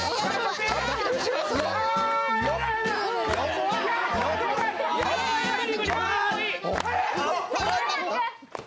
怖い。